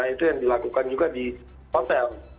itu yang dilakukan juga di hotel